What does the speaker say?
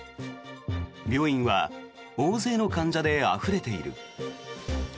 病院は大勢の患者であふれている。